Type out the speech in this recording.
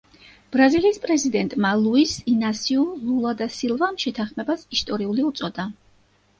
ბრაზილიის პრეზიდენტმა ლუის ინასიუ ლულა და სილვამ შეთანხმებას ისტორიული უწოდა.